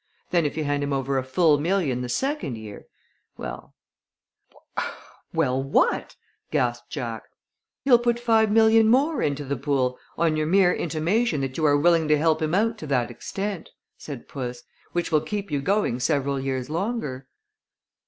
Then if you hand him over a full million the second year well " "Well what?" gasped Jack. "He'll put five million more into the pool on your mere intimation that you are willing to help him out to that extent," said puss, "which will keep you going several years longer."